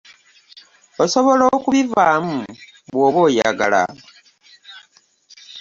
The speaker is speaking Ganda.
Osobola okubivaamu bw'oba oyagala.